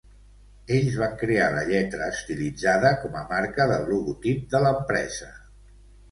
Ells van crear la lletra estilitzada com a marca del logotip de l'empresa.